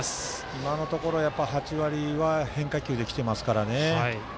今のところ８割は変化球で来ていますからね。